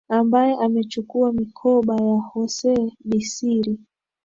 ambaye amechukua mikoba ya hosee bisir